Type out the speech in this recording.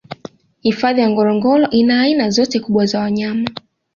hifadhi ya ngorongoro ina aina zote kubwa za wanyama